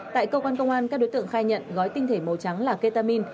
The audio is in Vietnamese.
tại cơ quan công an các đối tượng khai nhận gói tinh thể màu trắng là ketamin